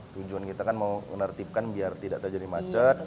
tujuan kita kan mau menertibkan biar tidak terjadi macet